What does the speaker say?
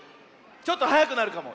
ちょっとはやくなるかも。